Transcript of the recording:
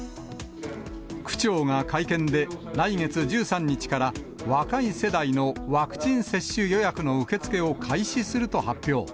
区長が会見で、来月１３日から若い世代のワクチン接種予約の受け付けを開始すると発表。